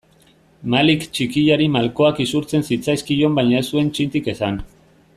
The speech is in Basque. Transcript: Malik txikiari malkoak isurtzen zitzaizkion baina ez zuen txintik esan.